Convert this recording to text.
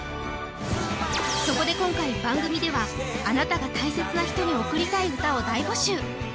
そこで今回番組ではあなたが大切な人に贈りたい歌を大募集